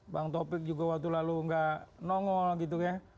bang taufik juga waktu lalu nggak nongol gitu ya